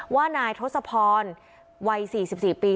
ว่านายทศพรวัย๔๔ปี